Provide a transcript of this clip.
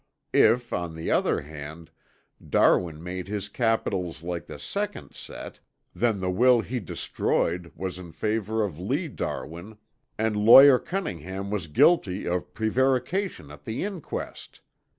If, on the other hand, Darwin made his capitals like the second set, then the will he destroyed was in favor of Lee Darwin, and Lawyer Cunningham was guilty of prevarication at the inquest.